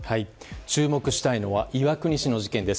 注目したいのが岩国市の事件です。